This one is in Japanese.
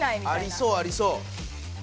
ありそうありそう。